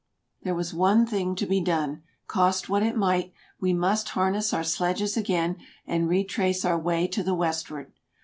There was one thing to be done ; cost what it might, we must harness our sledges again and retrace our way to the westward.